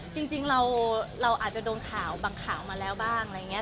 จริงเราอาจจะโดนข่าวบางข่าวมาแล้วบ้างอะไรอย่างนี้